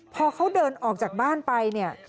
พอเขาเดินออกจากบ้านไป